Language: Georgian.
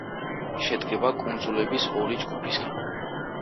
შედგება კუნძულების ორი ჯგუფისაგან.